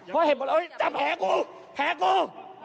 พ่อเห็นผลอะไรจับแผลกูแผลกู